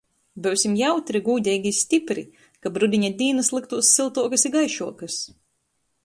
Byusim jautri, gūdeigi i stypri, kab rudiņa dīnys lyktūs syltuokys i gaišuokys!!!